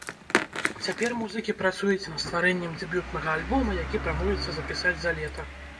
Цяпер музыкі працуюць на стварэннем дэбютнага альбома, які плануецца запісаць за лета.